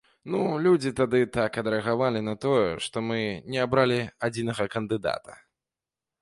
Ну, людзі тады так адрэагавалі на тое, што мы не абралі адзінага кандыдата!